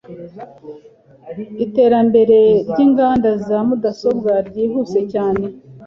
Iterambere ryinganda za mudasobwa ryihuse cyane.